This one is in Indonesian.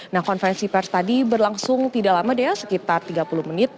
nah konferensi pers tadi berlangsung tidak lama dea sekitar tiga puluh menit